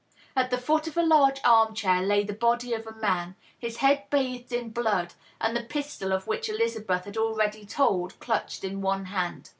At the foot of a large arm chair lay the body of a man, his head bathed in blood, and the pistol of which Elizabeth had alr^y told clutched in one hand.